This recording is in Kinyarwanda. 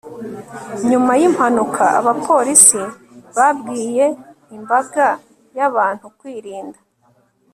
nyuma yimpanuka, abapolisi babwiye imbaga y'abantu kwirinda